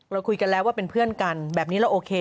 เราคุยกันแล้วว่าเป็นเพื่อนกันแบบนี้เราโอเค